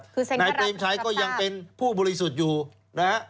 คือเซ็นก็รับข้อสารนายเปรมชัยก็ยังเป็นผู้บุริสุทธิ์อยู่นะ